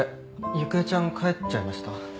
ゆくえちゃん帰っちゃいました？